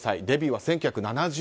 デビューは１９７０年。